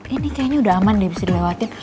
ini kayaknya udah aman deh bisa dilewatin